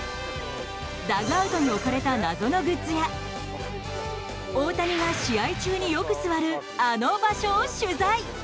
ダッグアウトに置かれた謎のグッズや大谷が試合中によく座るあの場所を取材。